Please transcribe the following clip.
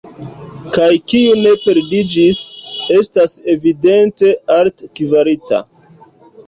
Kaj kiu ne perdiĝis, estas evidente altkvalita.